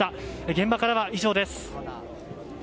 現場からは以上です。